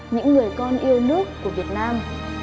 những người con yêu nước của việt nam